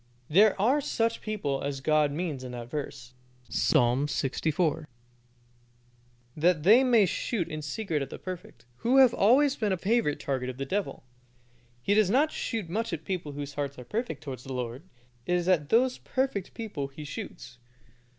There are such people as God means in that verse. Psalm lxiv. 4: "That they may shoot in secret at the perfect," who have always been a favorite target of the devil. He does not shoot much at people whose hearts are perfect towards the Lord. It is at those perfect people he shoots.